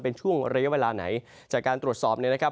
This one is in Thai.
เป็นช่วงระยะเวลาไหนจากการตรวจสอบเนี่ยนะครับ